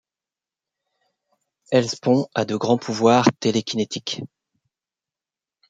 Helspont a de grands pouvoirs télékinétiques.